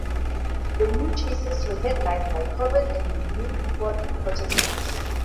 The new chassis were headlined by Corvette and new Ford prototypes.